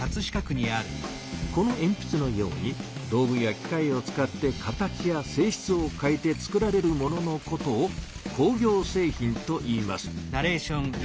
このえんぴつのように道具や機械を使って形やせいしつを変えてつくられるもののことを工業製品といいます。